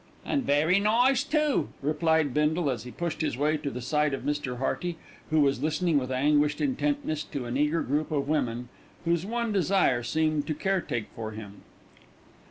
"An' very nice, too," replied Bindle, as he pushed his way to the side of Mr. Hearty, who was listening with anguished intentness to an eager group of women whose one desire seemed to caretake for him.